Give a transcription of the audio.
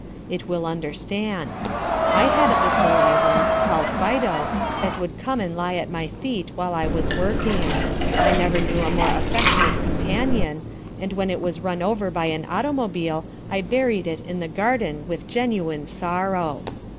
It will understand. I had a bacilli once, called Fido, that would come and lie at my feet while I was working. I never knew a more affectionate companion, and when it was run over by an automobile, I buried it in the garden with genuine sorrow.